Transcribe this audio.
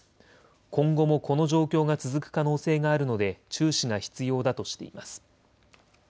今後もこの状況が続く可能性があるので注視が必要だとしています。